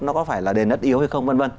nó có phải là đền đất yếu hay không v v